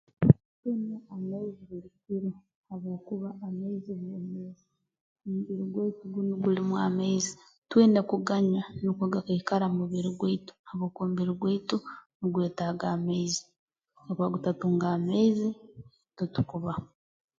Tunywa amaizi buli kiro habwokuba amaizi bwomeezi omubiri gwaitu gunu gulimu amaizi twine kuganywa nukwo gakaikara mu mubiri gwaitu habwokuba omubiri gwaitu nugwetaaga amaizi kakuba gutatunga amaizi habwokuba tutukubaho